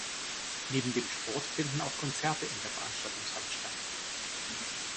Neben dem Sport finden auch Konzerte in der Veranstaltungshalle statt.